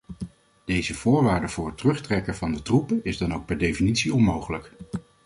Deze voorwaarde voor het terugtrekken van de troepen is dan ook per definitie onmogelijk.